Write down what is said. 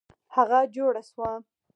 هغه جوړه سوه.